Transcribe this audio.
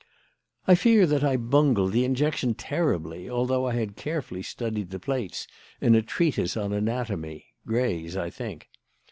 "I fear that I bungled the injection terribly, although I had carefully studied the plates in a treatise on anatomy Gray's, I think.